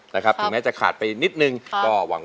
ถึงแม้จะขาดไปนิดนึง